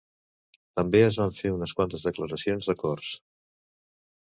També es van fer unes quantes declaracions d'acords.